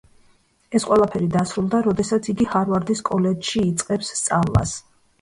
ეს ყველაფერი დასრულდა როდესაც იგი ჰარვარდის კოლეჯში იწყებს სწავლას.